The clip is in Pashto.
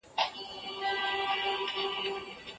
زده کوونکي په پوهنتون کي نوي ملګري پیدا کوي.